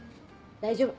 大丈夫。